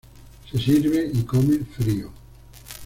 Se sirve y come frío.